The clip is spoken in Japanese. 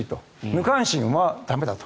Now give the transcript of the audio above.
無関心は駄目だと。